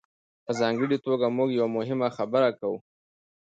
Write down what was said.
په ځانګړې توګه موږ یوه مهمه خبره کوو.